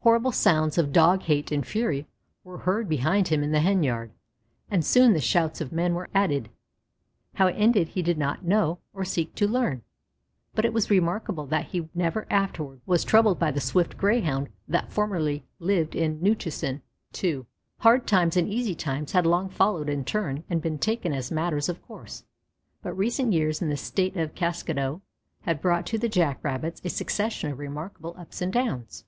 Horrible sounds of Dog hate and fury were heard behind him in the hen yard, and soon the shouts of men were added. How it ended he did not know or seek to learn, but it was remarkable that he never afterward was troubled by the swift Greyhound that formerly lived in Newchusen. II Hard times and easy times had long followed in turn and been taken as matters of course; but recent years in the State of Kaskado had brought to the Jack rabbits a succession of remarkable ups and downs.